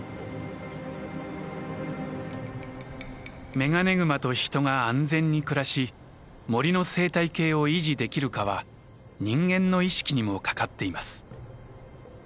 メガネグマと人が安全に暮らし森の生態系を維持できるかは人間の意識にもかかっています。